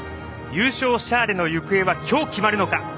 優勝シャーレの行方は今日、決まるのか。